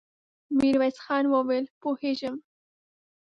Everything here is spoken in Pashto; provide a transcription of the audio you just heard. ميرويس خان وويل: پوهېږم.